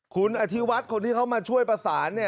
คุณอธิวัฒน์คนที่เขามาช่วยประสาน